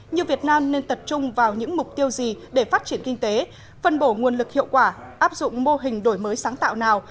như việt nam nên tập trung vào những mục tiêu gì để phát triển kinh tế phân bổ nguồn lực hiệu quả áp dụng mô hình đổi mới sáng tạo nào